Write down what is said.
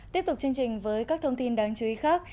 tiếp tục chương trình với các thông tin đáng chú ý khác